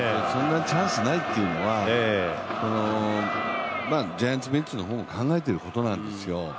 チャンスないっていうのはジャイアンツベンチの方も考えてることなんですよ。